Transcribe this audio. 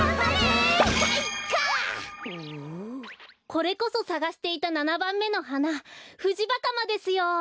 これこそさがしていた７ばんめのはなフジバカマですよ！